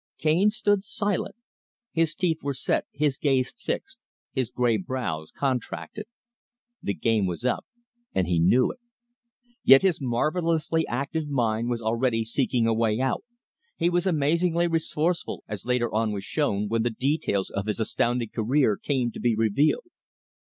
Cane stood silent. His teeth were set, his gaze fixed, his grey brows contracted. The game was up, and he knew it. Yet his marvellously active mind was already seeking a way out. He was amazingly resourceful, as later on was shown, when the details of his astounding career came to be revealed.